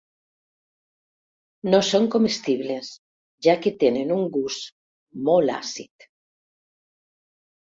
No són comestibles, ja que tenen un gust molt àcid.